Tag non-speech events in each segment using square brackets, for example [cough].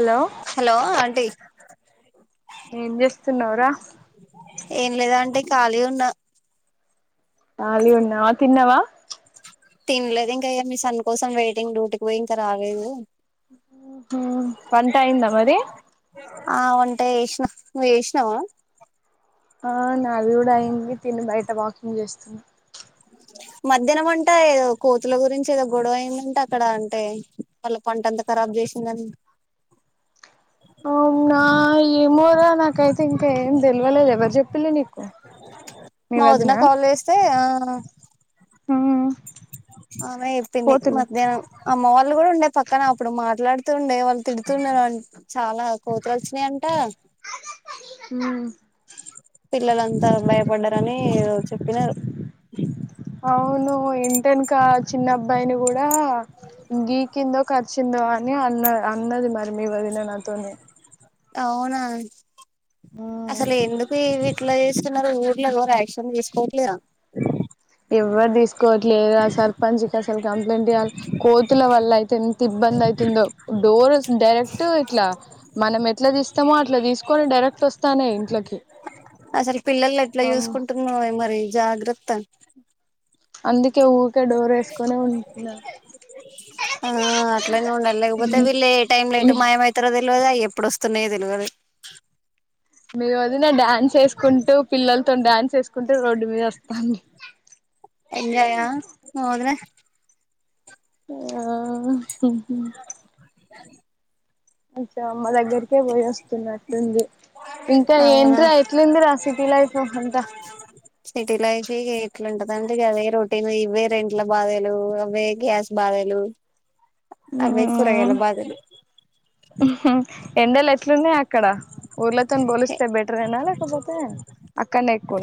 Hello hello aunty ఏం చేస్తున్నావ్ రా ఏం లేదా అంటి ఖాళీ ఉన్న కలీ ఉన్నావ తిన్నవ తినలేదు ఇంక అయ మీ సన్ కోసం వెయిటింగ్ డ్యూటీకి పోయి ఇంక రాలేదు హమ్ వంట అయిందా మరి ఆ వంటే వేసినా నువ్ చేసినవ ఆ నాది కూడా అయింది తిని బయ వాకింగ్ చేస్తున్న మధ్యాహ్నం వంట ఏదో కోతుల గురించి ఏదో గొడవయిందంటే అక్కడ అంటే వాళ్ళ పంట ఎంత ఖరాబ్ చేసిందని అవు నా ఏమోరా నాకైతే ఇంక ఏం తెలివలేదు ఎవరు చెప్పిలు నీకు మీ మా వదిన వదినా కాల్ చేస్తే ఆ ఉమ్ ఆమె చెప్పింది కోతులు మధ్యాహ్నం అమ్మ వాళ్ళు కూడా ఉండే పక్కన అప్పుడు మాట్లాడు తుండే వాళ్ళు తిడుతున్నారు అం చాలా కోతులు వచ్చినాయంట ఉమ్ పిల్లలంతా భయపడ్డారని కి యోత్ చెప్పినారు అవును ఇంటవెనుకా చిన్న అబ్బాయిని గూడా గికిందో కర్ చిందో అని అన్న అన్నది మరి మీ వదిన నాతోనే అవునా ఉమ్ అసలు ఎందుకు ఇవి అట్లా చేస్తున్నారు ఊర్లో ఎవరు యాక్షన్ తీసుకోవట్లేరా ఎవ్వరు దిస్ కోట్లే ఆ సర్పంచ్ క్ అసలు కంప్లైంట్ ఇయ్యాలి కోతుల వల్ల అయితే ఎంత ఇబ్బంది అవుతుందో డోర్ డైరెక్ట్ ఇట్లా మనం ఎట్లా తీస్తామో అట్లా తీసుకొని డైరెక్ట్ వస్తానాయి ఇంట్లకి అసలు పిల్లలు ఎట్లా ఆ చూసుకుంటున్నావే మరి జాగ్రత్త అందిక్ కి ఊరికే డోర్ వేసుకొని ఉంటున్నారు ఆ అట్లనే ఉండాలి తెలువదయ్ అవి ఎప్పుడు వస్తున్నాయో తెలివదు మేము వదిన డ్యాన్స్ చేస్ కుంటూ పిల్లలతోను డాన్స్ వేసుకుంటూ రోడ్డు మీద వస్తాంది ఎంజాయ్ ఆ వదిన ఉ హ ఉహు ఉ ఇగ అమ్మ దగ్గరికే పోయి వస్తున్నాను తంజే ఇంకా అవునా ఎంట్ర ఎట్లా ఉంది రా సిటీ లైఫ్ అంతా రన్ టేగా అవే రోటీన్ ఇవే రెంట్ల బాధలు అవే గ్యాస్ బాధలు ఉ అవే కూరగాయల బాధలు ఉహు ఎండలు ఎట్ల ఉన్నాయి అక్కడ ఊర్లతోని పోలిస్తే బెటర్ ఏనా కాకపోతే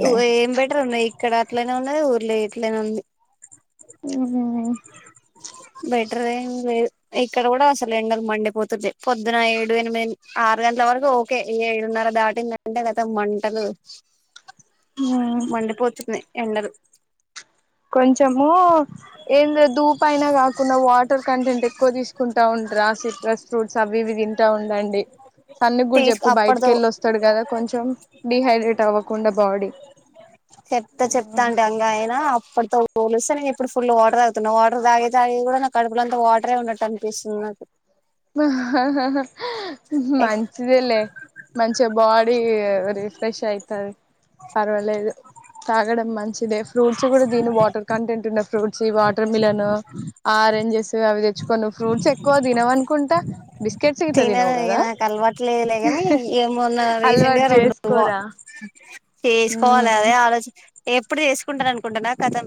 నువ్ ఏం బెటరు ఉన్నాయి ఇక్కడ అట్లనే ఉన్న ఉన్నది ఊర్లే ఇట్లే ఉంది అహ బెటర్ ఏం లేదు ఇక్కడ గూడా అసలు ఎండలు మండిపోతు జై పొద్దున ఏడు ఎనిమిది ఆరు గంటల వరకు ఓకే ఏడున్నర దాటిందంటే లేత మంటలు మండిపోతున్నాయి ఎండరు కొంచము ఏంద దూపయినా కా కున్న వాటర్ కంటెంట్ ఎక్కువ తీసుకుంటా ఉంటరా సిట్రస్ ఫ్రూట్స్ అవి ఇవి తింటా ఉండండి సన్న కూడా తీసుకు చెప్పు బయటికి అప్పటితో వెళ్ళి వస్తాడు కదా కొంచెం డిహైడ్రేట్ అవ్వకుండా బాడీ చెప్తా చెప్తా అంటే అంగా అయినా అప్పటితో పోలిస్తే ఇప్పుడు ఫుల్ వాటర్ తాగుతున్నా వాటర్ తాగే కూడా నా కడుపుల అంతా వాటరే ఉన్నట్టు అనిపిస్తుంది నాకు మంచిదే లే మంచిగా బాడీ రిఫ్రెష్ అయితంది పర్వాలేదు తాగడం మంచిదే ఫ్రూట్స్ కూడా తిను వాటర్ కంటెంట్ ఉన్న ఫ్రూట్స్ వాటర్ మిలన్ ఆరెంజెస్ అవి తెచ్చుకోను ఫ్రూట్స్ ఎక్కువ తినం అనుకు తినను ఇక నాకు అలవాట్లేదులే కాని ఏమోన్నా రీసెంట్గా అలవాటు రెండు మ్ చేసుకోరా చేసుకోవాలి ఉమ్ అదే ఆలోజు ఎప్పుడు చేసుకుంటారు అనుకుంన్నటు కథం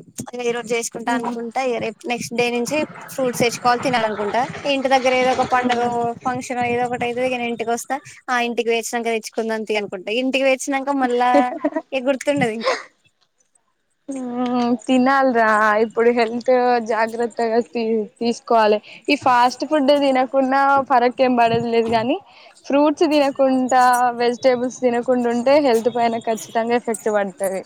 ఈరోజు చేసుకుంటా అనుకుంటా రే నెక్స్ట్ డే నుంచి ఫ్రూట్స్ వేచ్చుకోవాలి తినాలనుకుంటా ఇంటి దగ్గర ఏదో ఒక పండగ ఉమ్ ఫంక్షన్ ఏదో ఒకటైదు కా ఇంటికి వస్తా ఆ ఇంటికి వేసినాక తెచ్చుకుందాం తీ అనుకుంట ఇంటి వే వచ్చినాక మళ్ళా ఎ గుర్తుండది ఇంకా హ్మ్ తినాలి ఇప్పుడు హెల్త్ జాగ్రత్తగా తీ తీసుకోవాలి ఈ ఫాస్ట్ ఫుడ్ తినకుండా ఫరక్ ఏం పడదు లేదు కానీ ఫ్రూట్స్ తినకుండా వెజిటేబుల్స్ తినకుండా ఉంటే హెల్త్ పైన ఖచ్చితంగా ఎఫెక్ట్ పడుతుంది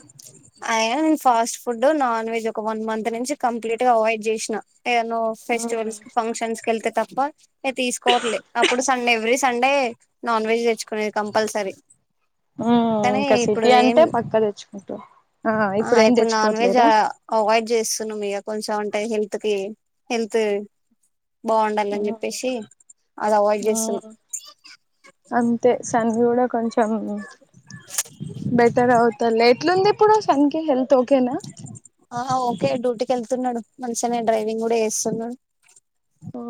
అయినా నేను ఫాస్ట్ ఫుడ్ నాన్ వెెజ్ ఒక వన్ మంత్ నుంచి కంప్లీట్ గా అవాయిడ్ చేసిన ఏదో ఫెస్టివల్స్ ఫంక్షన్స్ కెళ్తే తప్ప బ తీసుకోవట్లేదు అప్పుడు Sunday every Sunday non veg తెచ్చుకునేది కంపల్సరీ కానీ ఇంకా ఇప్పుడు సిటీ అంటే ఏం పక్కా తెచ్చుకుంటారు ఆ ఇప్పుడు ఏం తెచ్చుకోట్లేరా డ్ చేస్తున్నా ఇక కొంచెం ఉంటాయి హెల్త్ కి హెల్త్ బాగుండాల అని మ్మ్ చెప్పేసి అది అవాయిడ్ చేస్తుం సం కూడా కొంచం బెటర్ అవుతలే ఎట్లుంది కూడా సనకి హల్ప్ ఓకేనా హే డ్యూటీకి వెళ్తున్నాడు మంచినే డ్రైవింగ్ కూడా చేస్తున్నాడు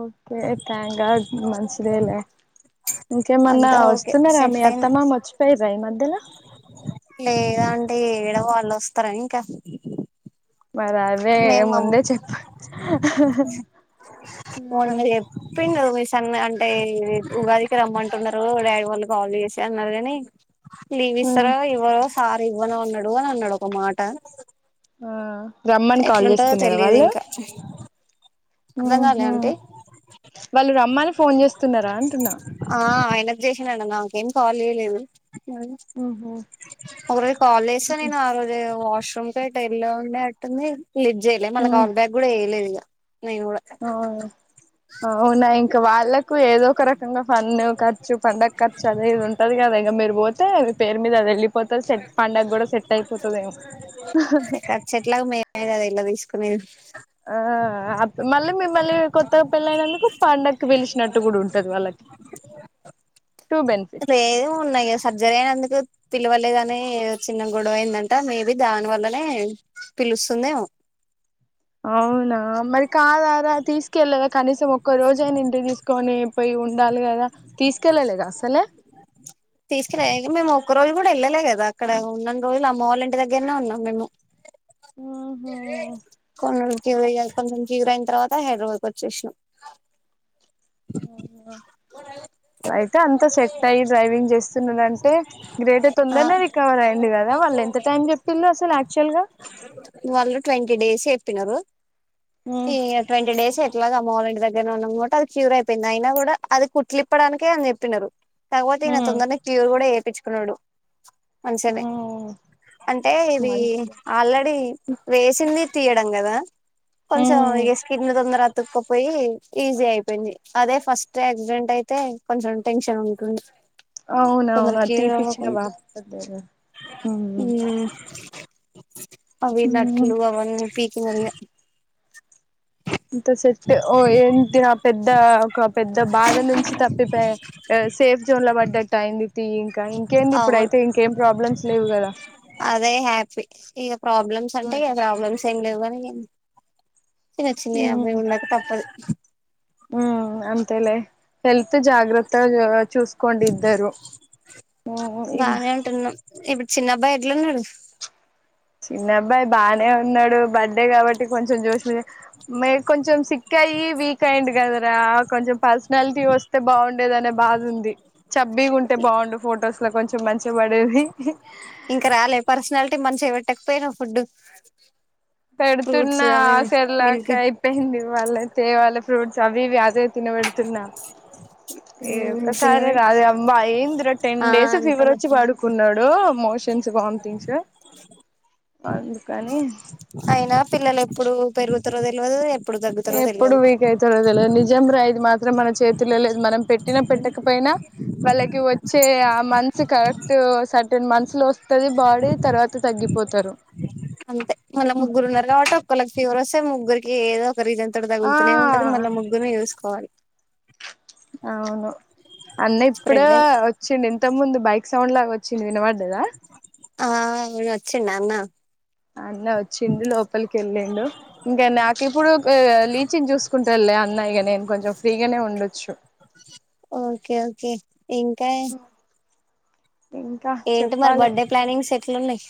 ఓకే థ్యాంక్ గాడ్ మంచిదేలే ఇంకేమన్నా అంతా ఓకే వస్తున్నారా సెట్ మీ అత్త అయింది మామ వచ్చిపోయిరి రయి మధ్యలా టే ఏడ వాళ్ళు వస్తారనీ ఇంకా మరి అవే మేము మన్ ముందే చెప్ప మొన్నచెప్పిన్ డు సన్న అంటే ఉగాదికి రమ్మంటున్నారు డాడీ వాళ్ళు కాల్ చేసి అన్నారు కాని లీవ్ విస్తార ఉమ్ ఇవరో సార్ ఇవ్వనూ అన్నాడు అనన్నాడు ఒక మాట ఆ రమ్మని కాల్ ఎట్లుంటదో చేస్తున్నారా తెలియదు వాళ్ళు ఇంకా అర్థం ఆహ కాలే అంటే వాళ్ళు రమ్మని ఫోన్ చేస్తున్నారా అంటున్నా నాక్ జేసిండట నాకేం కాల్ చేయలేదు ఉహు ఒక రోజు కాల్ జే సా నేను ఆ రోజే వా [inaudible] ఉండే అట్ంది లీఫ్ చేయలే మళ్ళ కాల్ బ్యాకు కూడా చేయలేదు ఇగా అవున్ అవునా ఇంకా వాళ్ళకు ఏదో ఒక రకంగా పన్ను ఖర్చు పండగ ఖర్చు అనేది ఉంటది కదా ఇంక మీరు పోతే మీ పేరు మీద అది వెళ్ళి ఖర్చు ఎట్లాగో మేమే కదా ఇలా తీసుకు నేది ఆ మళ్ళీ మిమ్మల్ని కొత్తగా పెళ్ళ అయినందుకు పండక్కు పిలిచినట్టు కూడా ఉంటది వాళ్ళకి టూ అ బెనిఫిట్స్ ఏది ఉన్నాయి సర్జరీ అయినందుకు పిలవలేదని చిన్న గొడవ అయ్యిందట మేబి దాని వల్లనే పిలుస్తుందే అవునా మరి కాదారా తీసుకెళ్ళద కనీసం ఒక్క రోజయినా ఇంటి తీసుకొని పోయి ఉండాలి కదా తీస్ తీసుకెల్లా మేమ్ ఒక్కరోజ్ కూడా వెళ్ళలే కదా అక్కడ ఉన్న రోజులు అమ్మ వాళ్ళ ఇంటి దగ్గరనే ఉన్నాం మేము ఆహా క్యూరయ్యాయి కొంచెం క్యూర్ అయిన తర్వాత హైదరాబాద్ కి వచ్చేసినామ్ అయితే అంత సెట్ అయ్యి డ్రైవింగ్ చేస్తున్నడాంటే టే గ్రేట్ర్ ఆ తొందరనే రికవర్ అయి ఉండు కదా వాళ్ళు ఎంత టైం చెప్పిళు అసలు యాక్చువల్ గా వాళ్ళు ట్వంటీ డేస్ చెప్పినారు ఈ ట్వంటీ డేస్ ఎ [inaudible] క్యూర్ అయిపోయింది అయినా కూడా అది కుట్లిప్పడానికే అని చెప్పినారు తకపోతే ఈయన తొందరనే క్యూ కూడా చేపిం నోడు మంచిగ నే అంటే ఇది మంచి ఆల్రెడీ వేసింది తీయడంగదా కొంచెం ఎస్ [unintelligible] తొందర తుక పోయి ఈజీ ఐ పోయింది. అదే ఫస్ట్ యాక్సిడెంట్ అయితే కొంచెం టెన్షన్ ఉంటుంది. తొందర అవునవును అది క్యూర్ తీపిచ్చిన అవ్వకుండా వాస్తది లేరా ఊ ఊ. ఉమ్ అవి నట్లూ అవన్నీ పీక్ [unintelligible] అంత సెట్ ఓ ఏంది నా పెద్ ద్దా ఒక పెద్ద బాధ నుంచి తప్పిపోయ్ ఆ సేఫ్ జోన్ లో పడ్డట్టయింది తీ ఇంకా ఇంకేంది ఇప్పుడు అవున్. అయితే ఇంకేం ప్రాబ్లమ్స్ లేవు కదా అదే హ్యాపీ. ఇగ ప్రాబ్లమ్స్ అంటే ఇగ ప్రాబ్లమ్స్ ఏం లేవు. గాన్ భయం చిన్న చిన్న అవయి ఉండక తప్పదు. ఊ అంతేలే. హెల్త్ జాగ్రత్తగ ఆ చూస్కోండి ఇద్దరూ. ఊ ఊ బానే ఉంటున్నాం ఇప్పుడు చిన్నబ్బాయి ఎట్లున్నడు. చిన్నబ్బాయి బానే ఉన్నాడు. బర్త్డే కాబట్టి కొంచెం జోష్లూ. మే కొంచెం సిక్కయీ వీక్ కైండు గదరా కొంచెం పర్సనాలిటీ వస్తే బాగుం డేదనే బాధ ఉంది. చబ్బీగ ఉంటే బాగుండు ఫొటోస్ లో కొంచెం మంచిగ పడేవి. ట్టక్ పోయిర్రు ఫుడ్డు. పెడుతున్నా ఆ సెరిలాక్ అయిపోయింది ఇవ్వాళే తేవాలే. ఫ్రూట్స్ అవివీ అదే తినబెడుతున్నా. ఏ ఒక్కసారి తినవే రాదే అబ్బా ఏందిరా టెన్ ఆ డేస్ ఫీవర్ అంతేలే వచ్చి పడుకున్నాడూ, మోషన్స్, వామిటింగ్స్ ఆ [unintelligible] కానీ అయినా పిల్లలు ఎప్పుడూ పెరుగుతరో తెల్వదూ ఎప్ ఎప్పుడు వీక్ అయితరో తెల్వద్. నిజం రా ఇది మాత్ త్రం. మన చేతిలో లేదు. మనం పెట్టిన పెట్టకపోయినా, వాళ్ళకి వచ్చే ఆ మంత్స్ కరెక్ట్ ఆ సర్టెన్ మంత్స్ లో వస్తది బాడీ, తర్వాత తగ్గిపోతారు. అంతె మళ్ళ ముగ్గురు ఉన్నరు కాబట్టి ఒక్కళ్ళకి ఫీవర్ వస్త తే ముగ్గురికి ఏదో ఒక రీసన్ తోటి ఆ తగుల్తనే ఉంటది మళ్ళ ముగ్గుర్నీ చూస్ కోవాలి. అవును అన్న ఇప్పుడే స్ప్రెడ్ అయి వచ్చిండు ఇంత ముందు బైక్ సౌండ్ లాగా వచ్చంది వినవాడి కదా ఆ అవును వచ్చిన్న అన్న అన్న వచ్చిండు లోపలికి వెళ్ళిండు ఇంకా నాకు ఇప్పుడు లీచిని చూసుకుంటాళ్లే అన్న ఇక నేను కొంచెం ఫ్రీగానే ఉండొచ్చు ఓకే ఓకే ఇంకా ఇంకా ఏంటి మరి చెప్పాలి బర్త్ డే ప్లానింగ్స్ ఎట్లు ఉన్నాయి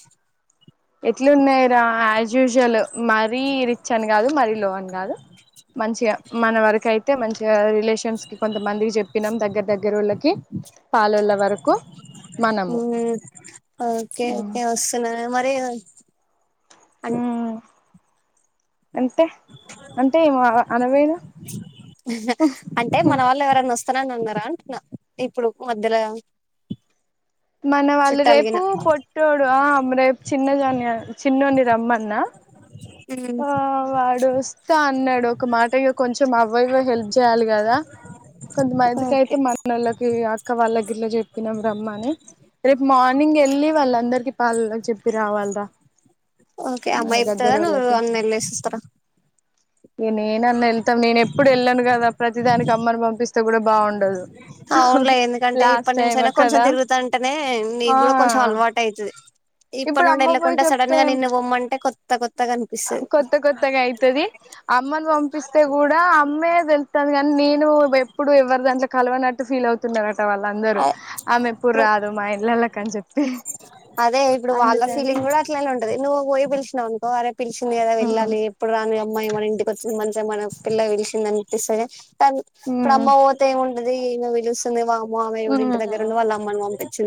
ఎట్లు ఉన్నాయి రా యాజ్ యూజువల్ మరీ రిచ్ అని కాదు మరీ లో అని కాదు మంచిగా మన వరకు అయితే తో మంచ్ రిలేషన్స్ కి కొంతమందికి చెప్పినాం దగ్గర దగ్గరళ్ళకి పలొల్లళ్ళ వరకు మనము ఉహ్ అను మ్మ్ అంతే అంటే ఇంగా అనకూడదు అంటే మన వాళ్ళు ఎవరన్నా వస్తారని అన్నారా అంటున్నా ఇప్పుడు మధ్యలో మన వాళ్ళు చుట్టాలుగిన రేపు పొట్టడు ఆ రేపు చిన్నగాని చిన్నొన్ని రమ్మన్న ఆ వాడు ఇస్తా అన్నాడు ఒక మాట ఇ కొంచెం అవయ హెల్ప్ చేయాలి కదా, కొంతమందికి ఓకే అయితే మన వాళ్ళకి అక్క వాళ్ళ గిట్లా చెప్పినమ్ రామ్మని. రేపు మార్నింగ్ వెళ్ళి వాళ్ళ అందరికి పాల్లకి చెప్పి రావాలరా ఓకే అమ్మ ఇత్తాదా నువ్వూ ఒకదానివే ఎళ్ళెసి ఇస్తార నిను ఎమన్నా హెల్ప్ నేను ఎప్పుడు వెళ్ళాను కదా ప్రతి దానికి అమ్మను పంపిస్త తొ కూడా బాగుండదు అవునులే ఎందుకంటే లాస్ట్ ఇప్పటి టైమ్ నుంచైనా కొంచెం కదా తిరుగుతుంటేనే నీ ఆ కూడా కొంచెం అలవాటు అయితాది ఇప్పటి ఇప్పుడు నుండి అమ్మ పోయి ఎల్లకుంటే సడన్ చెప్తే గా నిన్ను పొమ్మంటే కొ తకొత్ కొత్త కొత్తగా అయితాది అమ్మను పంపిస్తే కూడా అమ్మే వెలుతాది కానీ నేను ఎప్పుడు ఎవరు దాంట్లో కలవనట్టు ఫీల్ అవుతున్నారు వాళ్ళ అందరూ ఆమె ఎప్పుడు ఇప్పుడు రాదు మా ఇళ్ళలొకని చెప్పి అదే ఇప్పుడు వాళ్ళ అందుకని ఫీలింగ్ కూడా అట్లనే ఉంటది నువ్వు పోయి పిల్సినవనుకో అరేప్ పిలిచింది కదా మ్మ్ వెళ్ళాలి ఎప్పుడు రాని అమ్మాయి మన ఇంటికి వచ్చింది మంచిగా మన పిల్ల పిలిచింది ఎస్ ఐ హెచ్. టం ఇప్పుడమ్మ మ్మ్ పోతే ఉం. అది మూవీ చూస్తుంది మామ్. [unintelligible] ఆ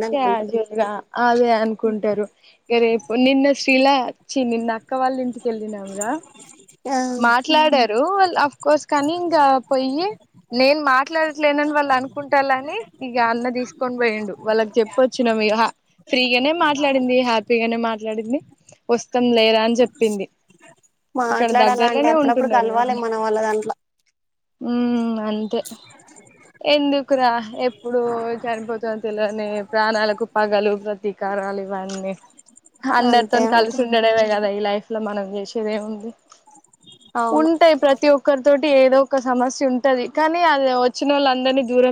అనుకుంటారు క్యాజువల్గా అదే అనుకుంటారు ఇగా రేపు నిన్న షిలా. చి నిన్న అక్క వాళ్ళలింటికి వెళ్ళినామ్ రా. ఆ మాట్లాడారు వాల్ ఆఫ్ కోర్స్ కానీ ఇంగా. పొయ్యి. నేను మాట్లాడట్లేనని వాళ్ళు అనుకుంటలాని, ఇగా అన్న తీసుకొని పోయిండు. వాళ్ళకి చెప్పొచ్చినం ఇగా ఫ్రీగానే మాట్లాడింది, హ్యాపీగానే మాట్లాడింది. ఓస్తాం లేరా అని జేప్పింది. మాట్లాడ. అలా అంటే ఎప్పుడప్పుడు కలవాలే, కావాలా మన వాళ్ళ దాంట్లో. ఉమ్. అంతే ఎందుకు రా ఎప్పుడు చని [unintelligible] ప్రాణాలకు పగలు ప్రతి. కారా. [unintelligible] ఇవన్నీ, అంతే అందరితోని కలిసి అంటే ఉండడమే కదా ఈ లైఫ్. ఇట్లా మనం చేసేదేముంది. అవును ఉంటాయి ప్రతి ఒక్కరితోట్. ఏదో ఒక సమస్య ఉంటది కానీ, అళ్ళు వచ్చినోళ్లందరిని దూరం.